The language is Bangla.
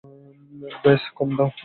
ব্যস দম নাও।